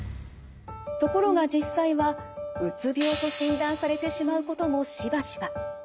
ところが実際はうつ病と診断されてしまうこともしばしば。